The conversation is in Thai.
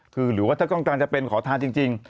คือหรือว่าถ้าต้องการจะเป็นขอทานจริง